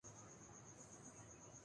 غائب کئے جا چکے ہیں